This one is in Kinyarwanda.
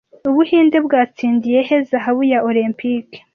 Ubuhinde bwatsindiye he zahabu ya olempike